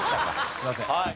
すいません。